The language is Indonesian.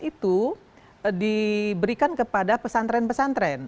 itu diberikan kepada pesantren pesantren